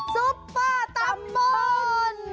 ซุปเปอร์ตำบล